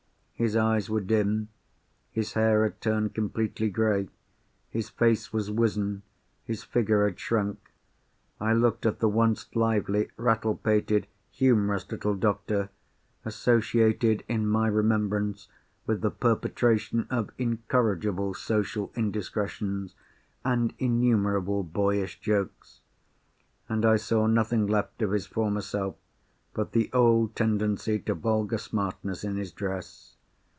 His eyes were dim; his hair had turned completely grey; his face was wizen; his figure had shrunk. I looked at the once lively, rattlepated, humorous little doctor—associated in my remembrance with the perpetration of incorrigible social indiscretions and innumerable boyish jokes—and I saw nothing left of his former self, but the old tendency to vulgar smartness in his dress.